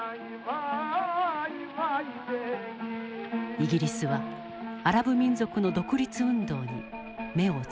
イギリスはアラブ民族の独立運動に目をつけた。